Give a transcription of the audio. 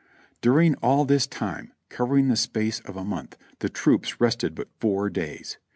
During all this time, covering the full space of a month, the troops rested but four days.